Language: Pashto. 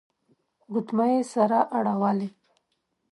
ګوتمۍ يې سره اړولې.